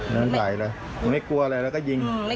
เดินใส่เลยเดินใส่เลยไม่กลัวอะไรแล้วก็ยิงอืมไม่